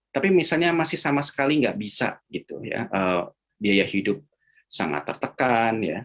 tapi misalnya masih sama sekali nggak bisa biaya hidup sangat tertekan